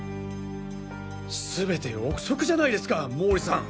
全て憶測じゃないですか毛利さん。